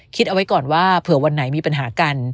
คิดเอาไว้ก่อนว่าเผื่อวันไหนมีปัญหากัน